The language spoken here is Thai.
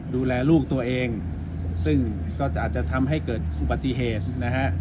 ดูแลลูกตัวเองซึ่งก็จะอาจจะทำให้เกิดอุบัติเหตุนะฮะ